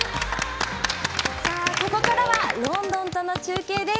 ここからはロンドンとの中継です。